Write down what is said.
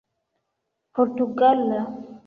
portugala